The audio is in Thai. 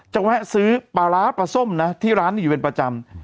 แวะซื้อปลาร้าปลาส้มนะที่ร้านนี้อยู่เป็นประจำ